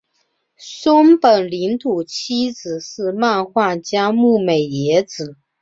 松本零士妻子是漫画家牧美也子。